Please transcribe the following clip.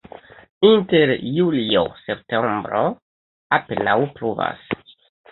Inter julio-septembro apenaŭ pluvas.